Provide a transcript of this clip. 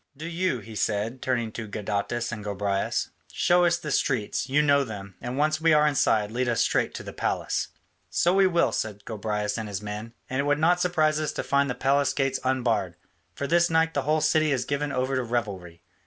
Do you," he said, turning to Gadatas and Gobryas, "show us the streets, you know them; and once we are inside, lead us straight to the palace." "So we will," said Gobryas and his men, "and it would not surprise us to find the palace gates unbarred, for this night the whole city is given over to revelry.